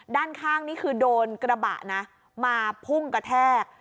ด้านข้างนี่คือโดนกระบะนะมาพุ่งกระแทก